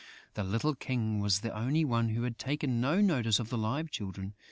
The little King was the only one who had taken no notice of the "Live Children."